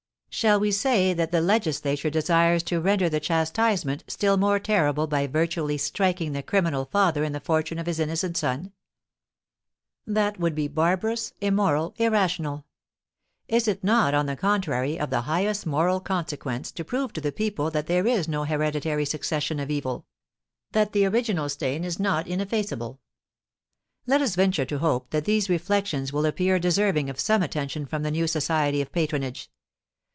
Shall we say that the legislature desires to render the chastisement still more terrible by virtually striking the criminal father in the fortune of his innocent son? That would be barbarous, immoral, irrational. Is it not, on the contrary, of the highest moral consequence to prove to the people that there is no hereditary succession of evil; that the original stain is not ineffaceable? Let us venture to hope that these reflections will appear deserving of some attention from the new Society of Patronage.